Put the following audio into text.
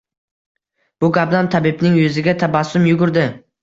Bu gapdan tabibning yuziga tabassum yugurdi